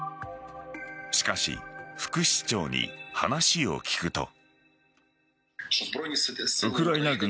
しかし、副市長に話を聞くと。